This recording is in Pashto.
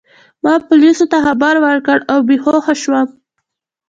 ما پولیسو ته خبر ورکړ او بې هوښه شوم.